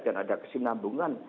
dan ada kesinambungan